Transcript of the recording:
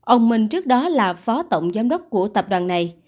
ông minh trước đó là phó tổng giám đốc của tập đoàn này